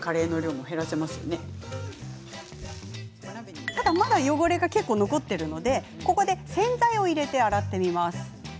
でも、まだ汚れは残っているのでここで洗剤を入れて洗ってみます。